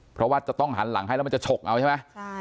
เพราะว่าจะต้องหันหลังให้แล้วมันจะฉกเอาใช่ไหม